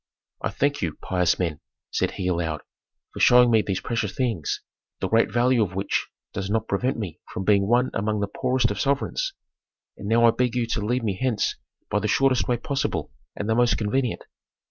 "I thank you, pious men," said he aloud, "for showing me these precious things, the great value of which does not prevent me from being one among the poorest of sovereigns. And now I beg you to lead me hence by the shortest way possible and the most convenient."